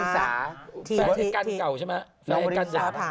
แปลกันเก่าใช่ไหมแปลกันสัตว์ตาเก่า